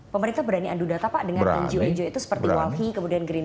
pemerintah berani adu data pak dengan ngo ngo itu seperti walhi kemudian gerindra